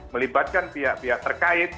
melibatkan pihak pihak terkait